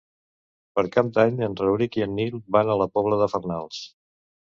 Per Cap d'Any en Rauric i en Nil van a la Pobla de Farnals.